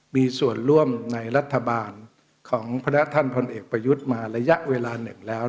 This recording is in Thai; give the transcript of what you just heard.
มีส่วนร่วมในรัฐบาลของคณะท่านพลเอกประยุทธ์มาระยะเวลาหนึ่งแล้ว